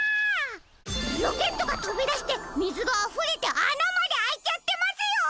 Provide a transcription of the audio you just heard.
ロケットがとびだしてみずがあふれてあなまであいちゃってますよ！